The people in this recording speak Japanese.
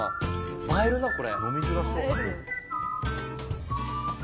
映えるなこれ。